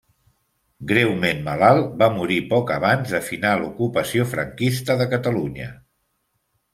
Greument malalt, va morir poc abans de finar l'ocupació franquista de Catalunya.